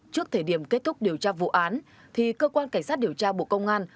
trước thời điểm kết thúc điều tra vụ án thì cơ quan cảnh sát điều tra bộ công an